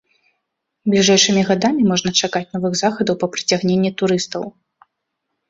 Бліжэйшымі гадамі можна чакаць новых захадаў па прыцягненні турыстаў.